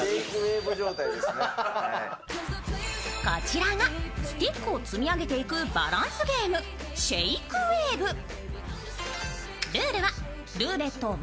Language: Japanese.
こちらがスティックを積み上げていくバランスゲーム「シェイクウェーブ」。